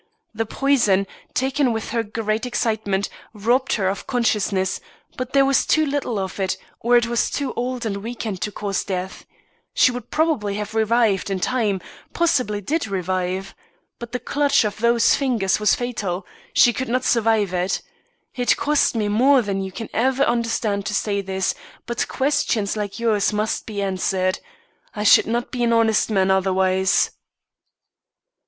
The poison, taken with her great excitement, robbed her of consciousness, but there was too little of it, or it was too old and weakened to cause death. She would probably have revived, in time; possibly did revive. But the clutch of those fingers was fatal; she could not survive it. It costs me more than you can ever understand to say this, but questions like yours must be answered. I should not be an honest man otherwise."